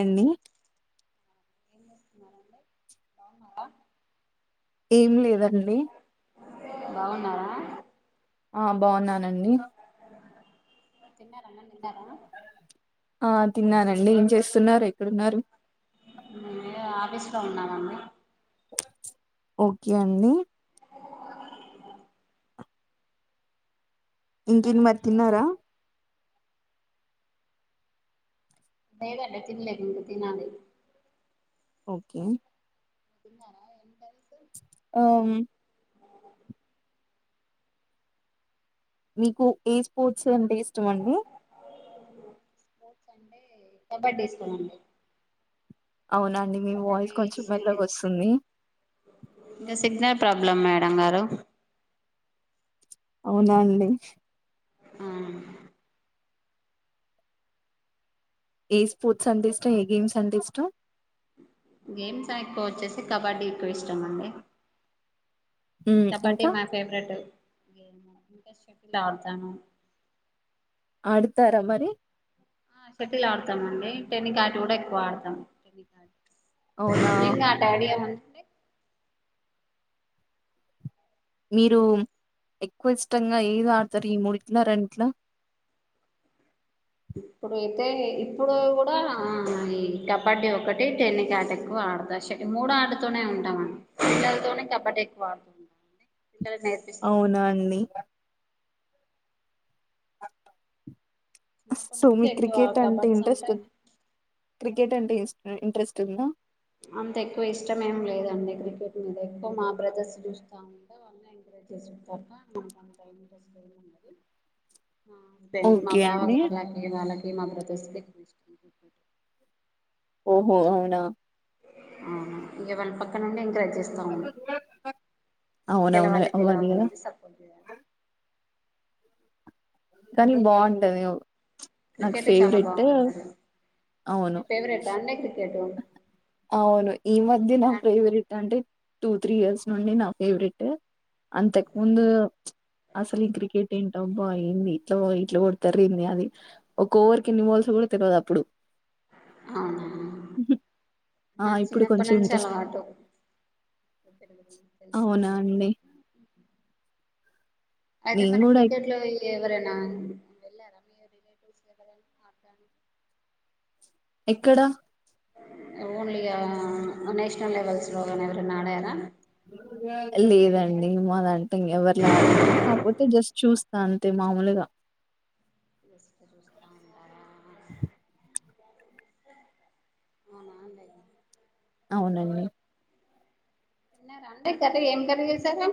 అండి ఏం చేస్తున్నారండి. బాగున్నారా. ఏం లేదండి. బాగున్నారా. ఆ బాగున్నానండి. తిన్నారా అన్నం తిన్నారా ఆ తిన్నానండి. ఏం చేస్తున్నారు. ఎక్కడున్నారు. ఉ ఆఫీస్ లో ఉన్నానండి. ఓకే అండి. ఇంకేం తిన్నారా మరి ఏం కర్రీ తిన్నారా. లేదండి. తిన్లేదు తినాలి. ఓకే. తిన్నారా ఏం కర్రీస్ ఓం ఆ మీకు ఏ స్పోర్ట్స్ అంటే ఇష్టం అండి. స్పోర్ట్స్ అంటే. కబడ్డీ ఇష్టం అండి. అవునాండి. మీ వాయిస్ కొంచెం మెల్లగా షటిల్ వస్తుంది. ఇంకా సిగ్నల్ ప్రాబ్లమ్ మేడం గారు అవునా అండి. ఆ ఏ స్పోర్ట్స్ అంటే ఇష్టం, ఏ గేమ్స్ అంటే ఇష్టం. గేమ్స్ ఎక్కువ వచ్చేసి కబడ్డీ ఎక్కువ ఇష్టం అండి. ఉమ్ కబడ్డీ ఇంకా మా ఫేవరెట్ గేమ్ ఇంకా షెటిల్ ఆడుతాను. ఆడతారా మరి ఆ షెటిల్ ఆడతామ అండి, టెన్ని కాట్ కూడా ఎక్కువ ఆడతాం టెన్ని కాట్, అవునా నింగ డాడీయా మీరు ఎక్కువ ఇష్టంగా ఏది ఆడతారు ఈ మూడిట్లో, రెండిట్లో [unintelligible] ఇప్పుడైతే ఇప్పుడు కూడా ఆ. ఈ కబడ్డీ ఒకటి టెన్ని కాట్ ఎక్కువ. మూడు ఆడుతతోనే ఉంటామండి, పిల్లలతో కబడ్డీ ఎక్కువ ఆడుతు. [unintelligible] అవునా అండి. చిన్నప్పటి సో నుంచి మీకు ఎక్కువ క్రికెట్ అంటే కబడ్స్ ఇంట్రెస్ట్ ఉంది క్రి క్రికెట్ అంటే ఇంట్రెస్ట్ ఉందా, అంత ఎక్కువ ఇష్టం ఏం లేదండి క్రికెట్ మీద ఎక్కువ మా బ్రదర్స్ చూస్తా వా [unintelligible] మా ఓకే బావ అండి గార్లకి వాళ్ళకి మా బ్రదర్స్ కి ఇష్టం ఓహో అవునా ఆహా ఇగ పక్కన నుండి ఎంకరేజ్, చేస్తం అవునవును గెలవాలి అవ్వాలి కదా గెలవాలి సపోర్ట్ చేయాలి కానీ బాగుంటాది వ్యు క్రికెట్ చాలా బాగుంటాది అవును ఫేవరెట్ అండి, క్రికెట్ అవును ఈ మధ్య నా అవునా ఫేవరెట్ అంటే టూ త్రీ ఇయర్స్ నుండి నా ఫేవరెటే, అంతకు ముందు అసలు క్రికెట్ ఏం అబ్బా అయింది ఇట్లా ఇట్లా కొడతారు రేది అన్ని ఒక ఓవర్ ఎన్ని బల్స్ కూడా తెల్వదు అప్పుడు ఆ మా ఇప్పుడు చిన్నప్పటి కొంచెం నుంచి ఇంట్రెస్ట్ అలవాటు అవునా అండి [unintelligible] అయితే నేను మనకి కూడా క్రికెట్ లో ఎవరైన వెళ్ళారా మీరు ఎక్కడ ఓన్లీ నేషనల్ లెవెల్స్ లోగా ఎవరు ఆడారా లేదండి మా దంటా ఎవరిలా ఆడలేదు కాకపోతే జస్ట్ చూస్తు కా అంతే మామూలుగా, వేసు చూస్తాను హు అవునా అవునండి తిన్నారా అండి కర్రీ ఏం కర్రీ చేసారు.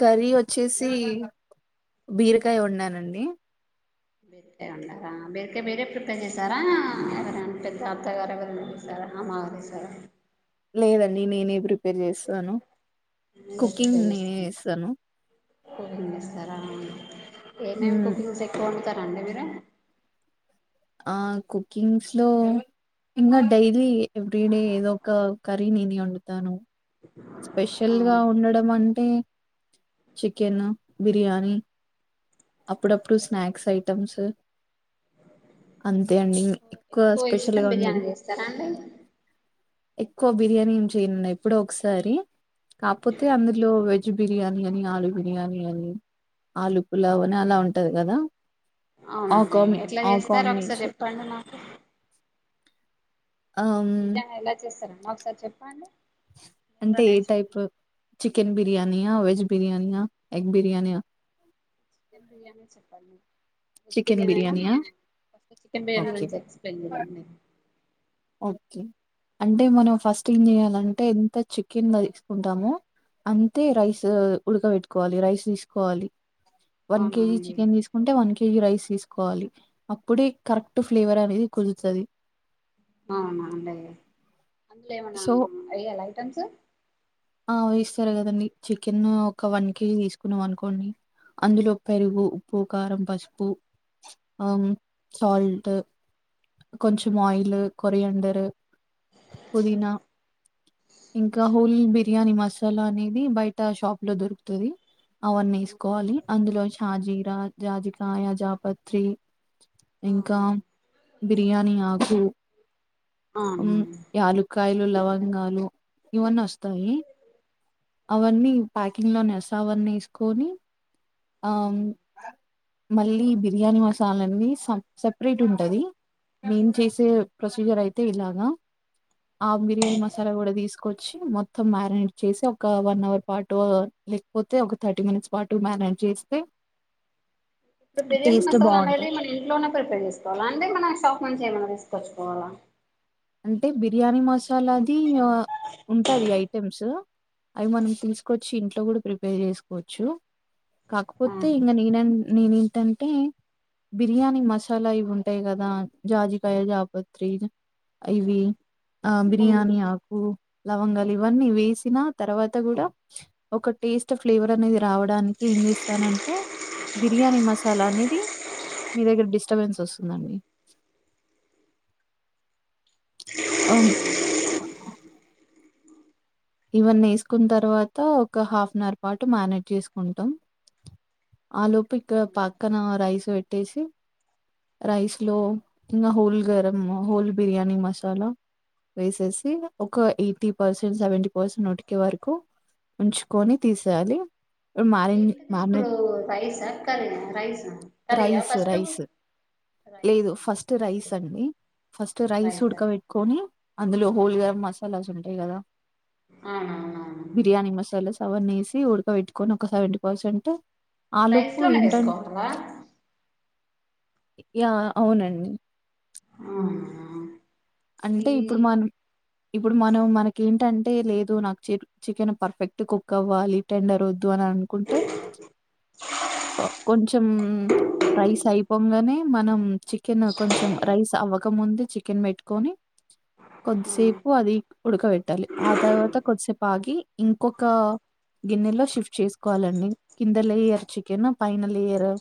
కర్రీ వచ్చేసి బీరకాయ వండిన్నానండి బీరకాయ ఉండారా బీరకాయ మీరే ప్రిపేర్ చేసారా ఎవరైనా పెద్ద అత్తగారు ఎవరైనా చేసారా. ఆహా సరే లేదండి నేనే ప్రిపేర్ చేస్తాను మీరే కుకింగ్ ప్రిపేర్ నీనే చేస్తు చేస్తాను. కుకింగ్ చేస్తారా ఏమేమి హ్మ్ కుకింగ్ ఎక్కువ వండుతారు. అండి మీరు ఆ కుకింగ్స్ లో ఇకా డెలీ ఎవ్రీ డే ఏదో ఒక కర్రీ నీనే వండుతాను. స్పెషల్ గా అవును, ఉండడం అంటే చికెన్ బిర్యానీ. అప్పుడప్పుడు స్నాక్స్ ఐటమ్స్ అంతే అండి. ఎక్కువ ఎక్కువ స్పెషల్ ఇష్టం గా ఉండదు. బిర్యానీ చేస్తారా అండి. ఎక్కువ బిర్యానీ ఏం చేయనున్నా ఎప్పుడో ఒకసారి. కాకపోతే అందులో వెజ్ బిర్యానీ అని ఆలు బిర్యానీ అని ఆలు. పులావ్ అని అలా ఉంటాది కదా అవునండి ఆకామి ఎట్లా చేస్తారో ఒకసారి ఆకామినేషన్. చెప్పండి నాకు ఆహ్, బిర్యానీ ఎలా చేస్తారా మా ఒకసారి చెప్పండి. నేను కూడా అంటే ఏ టైప్ నేర్చుకుంటాను చికెన్ బిర్యానియా వెజ్ బిర్యానియా ఎగ్ బిర్యానియా. చికెన్ బిర్యానీ చెప్పాలి. వెజ్ చికెన్ బిర్యానీ అయినా బిర్యానీయా? First chicken biryani okay. గురించి ఎక్స్ ప్లెయిన్ చేయండి.. అంటే మనం ఫస్ట్ ఏం చేయాలంటే చేయాలంటే ఎంత చికెన్ తీసుకుంటామో. అంతే రైస్ ఉడక పెట్టుకోవాలి రైస్ తీసుకోవాలి. వన్ అవునా కేజీ అండి చికెన్ తీసుకుంటే వన్ కేజీ రైస్ తీసుకు. కోవాలి అప్పుడే కరెక్ట్ ఫ్లేవర్ అనేది కుదురుతాది. అవునా అంటే అందులో ఏమైనా సో వెయ్యాలి ఐటమ్స్. ఆ వస్తారు కదండి చికెన్ ఒక వన్ కేజీ తీసుకున్నాం అనుకోండి అందులో పెరుగు ఉప్పు కారం పసుపు అ సల్ట్ కొంచం ఆయిల్ కొరయండరు పుదనా ఇంకా హోల్ బిర్యానీ మసాలా అనేది బయట షాప్ లో దొరుకుతుంది అవన్నీ వేసుకోవాలి అందులో షాజీరా జాజికయ జాపత్రి అవున బిర్యానీి ఆకు ఆవు ఆలికాయలు లవంగాలు ఇవన్నీ వస్తాయి అవన్నీ ప్యాకింగ్ లో నెసా అవన్నీ వేసుకొని ఆ అవునా మళ్ళీ బిర్యానీ మసాలన్నీ స సపరేట్ ఉంటది మేం చేసే ప్రొసీజర్ అయితే ఇలాగా ఆ బిర్యానీ మసాలా కూడా తీసుకొచ్చి మొత్తం మ్యారినేట్ చేసి ఒక వన్ అవర్ పాటు లేకపోతే ఒక థర్టీ మినిట్స్ పాటు మేనేజ్ చేస్తే ఇప్పుడు బిర్యానీ టేస్ట్ మసాలా అనేది బావుంటది. మనం ఇంట్లోనే ప్రిపేర్ చేకోవాలి అంటే మనం షాప్ మంచి ఏమ తీసుపచ్చుకోవాలా అంటే బిర్యానీ మసాలాది ఉంటది ఐటెమ్స్ అవి మనం తెలుసుకొచ్చి ఇంట్లో కూడా ప్రిపేర్ చేసుకోవచ్చు కాకపోతే ఆహా ఇంకా నేన నేనేంటంటే బిర్యానీ మసాలా ఇవి ఉంటాయి కదా జాజికయ జాపత్రిజ ఇవి ఆ ఉమ్. బిర్యానీ ఆకు లవంగాలు ఇవన్నీ వేసిన తర్వాత కూడా ఒక టేస్ట్ ఫ్లేవర్ అనేది రావడానికిం చేస్తానంటే బిర్యానీ మసాలా అనేది మీ దగ్గర డిస్టర్బెన్స్ వస్తుందండి అమ్ ఇవన్నీ వేసుకున్న తర్వాత ఒక హాఫ్ అన్ అవర్ పాటు మ్యారినేట్ చేసుకుంటాం ఆ లోపు ఇక్కడ పక్కన రైస్ పెట్టేసి రైస్ లో ఇంకా హోల్ గరం హోల్ బిర్యానీ మసాలా వేసేసి ఒక ఎయిటీ పర్సెంట్ సెవెంట కోసం ఉటికి వరకు ఉంచుకొని తీసేయాలి మ్యారిన్ పెకద ఇప్పు మ్యారినేట్ రైసా కర rice curry rice first rice లేదు రైసా ఫస్ట్ రైస్ ఓకే అండి ఫస్ట్ రైస్ రైసా ఉడకబెట్టుకొని అందులో హోల్ గరం మసాలాస్ ఉంటాయి కదా అవునా అవన్నీ ఏసి ఉడకబెట్టుకొని ఒక సెవెంటీ పర్సెంట్ రైస్ ఆలోపు లోనే ఏంటన్ వేసుకోవాలా యా అవునండి ఆ అంటే ఇప్పుడు మనం ఇప్పుడు మనం మనకి ఏంటం అంటే లేదు నాకు చికెన్ పర్ఫెక్ట్ కుక్ అవ్వాలి టెండర్ వద్దు అని అనుకుంటే కొంచెం రైస్ అయిపొంగనే మనం చికెన్ కొంచెం రైస్ అవ్వకముందే చికెన్ పెట్టుకొని ఉమ్. కొద్దిసేపు అది ఉడకబెట్టాలి ఆ తర్వాత కొద్దిసేపు ఆగి ఇంకొక గిన్నెలో షిఫ్ట్ చేసుకోవాలండి కింద లేయర్ చికెన్ పైన లేయరు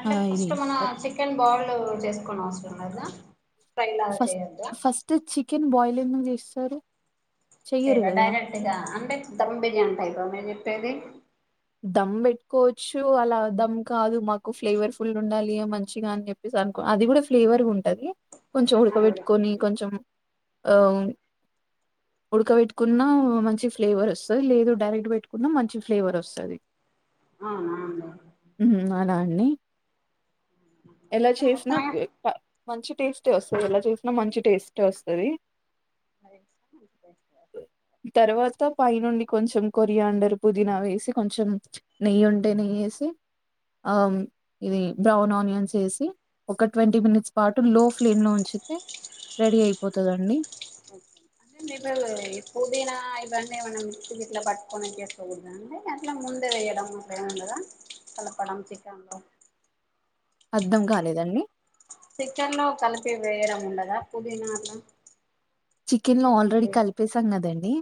అంటే ఫస్ట్ మన చికెన్ బాల్డ్ చేసుకో అవసరం లేదా ఫ్రై లాగా ఫస్ట్ చేయొద్దా ఫస్ట్ చికెన్ బాయిల్ ఎందుకు చేస్తారు చెయ్యరు చేయరా గదా! డైరెక్ట్గా అంటే ధమ్ బిర్యానీ టైప మీరు చెప్పేది దమ్ పెట్టుకోవచ్చు అలా దమ్ కాదు మాకు ఫ్లేవర్ ఫుల్ ఉండాలి మంచిగా అని చెప్పేసి అనుకు అది కూడా ఫ్లేవర్గా ఉంటది కొంచెం ఉడకబెట్టుకొని కొంచెం ఆ ఉడకబేట్టుకున్న మంచి ఫ్లేవర్ వస్తది లేదు డైరెక్ట్ పెట్టుకున్న మంచి ఫ్లేవర్ వస్త తది అవున అండి అలా అండి ఎలా అయితే చేసినా మొత్తమే మంచి టేస్ట్ వస్తది ఎలా చేసినా మంచి టేస్ట్ వస్తది మ స్క పై నుండి కొంచెం కొరియండరు పుదీనా వేసి కొంచెం నెయ్యి ఉంటే నెయ్యేసి ఆ ఇది బ్రౌన్ ఆనియాన్స్ ఎసి ఒక ట్వంటీ మినిట్స్ పాటు లో ఫ్లేమ్ లోంచి రెడీ అయిపోతదండి చిందిపు ఈ పుదీనా ఇవన్నీ ఏమైనా మిక్సి ఇట్లా పట్టుకోని చేసుకోకూడదా అండి అట్లా ముందే వేయడం అట్లేఏముండద కలపడం చికెన్లో అర్ధం కాలేదండి చికన్లో కలిపి వేయడం ఉండదా పుదీనాలా చికెన్ లో ఆల్రెడీ కలిపేసాం కదండి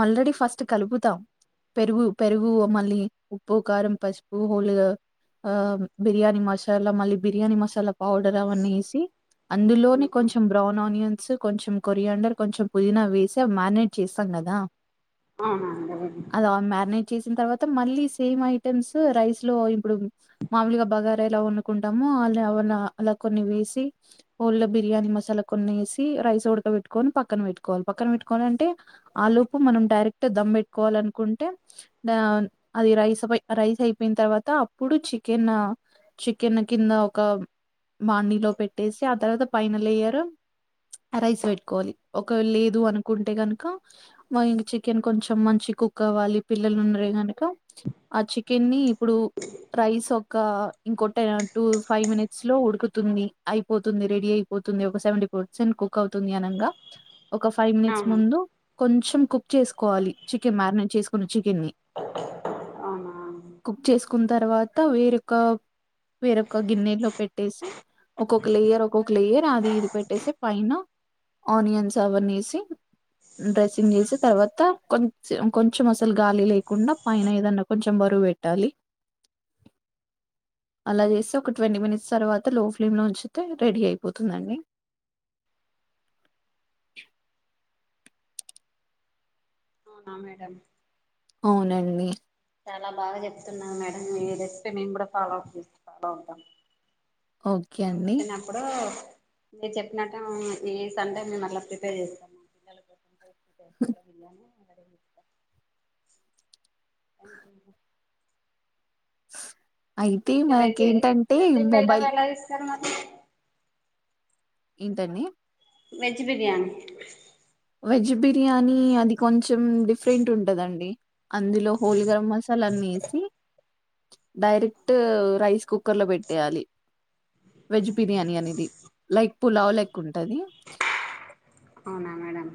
ఆల్రెడీ ఫస్ట్ కలుపుతాం పెరుగు పెరుగు మళ్ళీ ఉప్పు కారం పసుపు హోలుగా ఆ బిర్యానీ మసాలా మళ్ళీ బిర్యానీ మసాలా పౌడర్ అవన్నీ ఏసి అందులోనే కొంచెం బ్రౌన్ ఆనియన్స్ కొంచెం కొరియాండర్ కొంచెం పుదీనా వేసి అవి మ్యారినేట్ చేస్తాం కదా అవునండి చేసిన తర్వాత మళ్ళీ సేమ్ ఐటమ్స్ రైస్ లో ఇప్పుడు మామూలుగా బగారా ఎలా వండుకుంటామో ఆల్ ఏవన్నా అలా కొన్ని వేసి హోల్గా బిర్యానీ మసాలా కొన్ని వేసి రైస్ ఉడ్ ఆడ పెట్టుకొని పక్కన పెట్టుకోవాలి పక్కన పెట్టుకోవాలంటే ఆ లోపు మనం డైరెక్ట్ దమ్ పెట్టుకోవాలనుకుంటే డౌన్ అది రైస్ ఆపోయి రైస్ అయిపోయిన తర్వాత అప్పుడు చికెన్ చికెన్ కింద ఒక బాండి లో పెట్టేసి ఆ తర్వాత పైన లేయర్ ఆ రైస్ వేట్ కోవాలి ఒకే లేదు అనుకుంటే కనుక మా ఇంగా చికెన్ కొంచం మంచి కుక్ అవ్వాలి పి పిల్లలు ఉన్నారే గనుక ఆ చికెన్నీ ఇప్పుడు రైస్ ఒక ఇంకొట టూ ఫైవ్ మినిట్స్ లో ఉడుకుతుంది అయిపోతుంది రెడీ అయిపోతుంది ఒక సెవెంటి పర్సెంట్ కుక్ అవుతుంది అనంగ ఒక ఫైవ్ మినిట్స్ అవునా ముందు కొం చెం కుక్ చేసుకోవాలి చికెన్ మారినేట్ చేసుకున్న చికెన్ని అవునా కుక్ చేసుకున్న తర్వాత వేరొక వేరొక గిన్నెలో పెట్టేసి ఒక్కొక్క లేయర్ ఒక్కొక్క లేయర్ అది ఇది పెట్టేసి పైన ఆనియన్స్ అవన్నీ ఏసీ డ్రెస్సింగ్ చేసి తర్వాత కొంచం కొంచెం అసలు గాలి లేకుండా పైన ఏదన్నా కొంచెం బ పెట్టాలి అలా చేస్తే ఒక ట్వంటీ మినిట్స్ తర్వాత లో ఫ్లేమ్ లో ఉంచితే రెడీ అయిపోతుందండి అవునా మేడం అవునండి చాలా బాగా చెప్తున్నా మేడం ఈ రెసిపీ మేము కూడా ఫాలో అ ఫాలో అవుతాం ఈ ఓకే సారి అండి వచ్చినప్పుడు మీరు చెప్పినట్టే ఈ సండే మేము అట్లా ప్రిపేర్ చేస్తాము పిల్లల కో అద విళనే అడ వ అవు అయితే ఇంకా వెజ్ మనకే ఏంటంటే వెజ్ పిల్లలు మొబైల్ ఎలా ఇస్తారు మరి ఏంటండి వెజ్ బిర్యానీ వెజ్ బిర్యానీ అది కొంచెం డిఫరెంట్ ఉంటుందండి అందులో హోల్ గరం మసాలాన్ని వేసి డైరెక్ట్ రైస్ కుక్కర్ లో పెట్టేయాలి వెజ్ బిర్యానీ అనేది లైక్ పులావ్ లెక్ ఉంటంది అవునా మేడం